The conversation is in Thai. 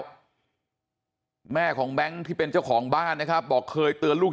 แม่ของแบงค์ที่เป็นเจ้าของบ้านนะครับบอกเคยเตือนลูก